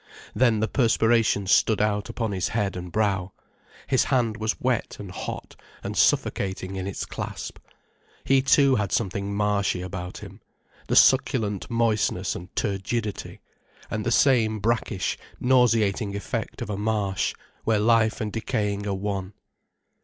Then the perspiration stood out upon his head and brow, his hand was wet and hot and suffocating in its clasp. He too had something marshy about him—the succulent moistness and turgidity, and the same brackish, nauseating effect of a marsh, where life and decaying are one.